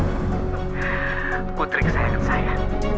aduh putri kesayangan saya